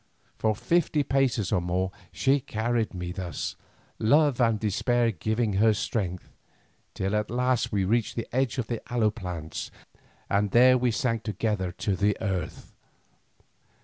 For fifty paces or more she carried me thus, love and despair giving her strength, till at last we reached the edge of the aloe plants and there we sank together to the earth.